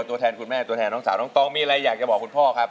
ตัวแทนคุณแม่ตัวแทนน้องสาวน้องตองมีอะไรอยากจะบอกคุณพ่อครับ